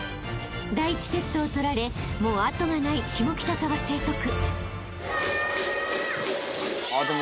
［第１セットを取られもう後がない下北沢成徳］